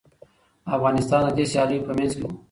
افغانستان د دې سیالیو په منځ کي و.